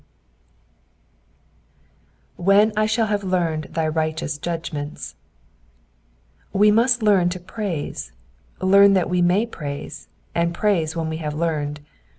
^^When I shall have learned thy righteous judgments,'*'* We must learn to praise, ileam that we may praise, and praise when we have learned.